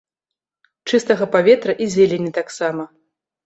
Чыстага паветра і зелені таксама.